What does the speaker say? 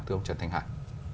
thưa ông trần thành hải